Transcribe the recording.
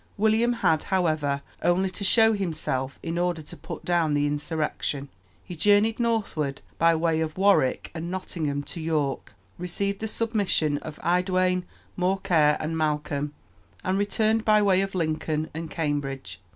William had, however, only to show himself in order to put down the insurrection. He journeyed northward, by way of Warwick and Nottingham, to York, received the submission of Eadwine, Morkere, and Malcolm, and returned by way of Lincoln and Cambridge.